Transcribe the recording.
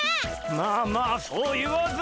まあまあそう言わずに。